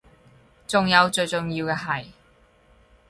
仲有最重要嘅係